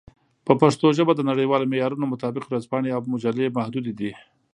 په پښتو ژبه د نړیوالو معیارونو مطابق ورځپاڼې او مجلې محدودې دي.